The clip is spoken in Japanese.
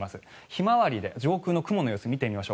ひまわりで上空の雲の様子を見てみます。